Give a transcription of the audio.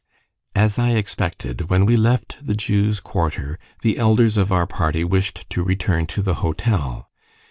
As I expected, when we left the Jews' quarter the elders of our party wished to return to the hotel.